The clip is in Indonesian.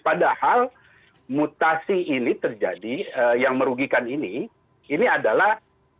padahal mutasi ini terjadi yang merugikan ini ini adalah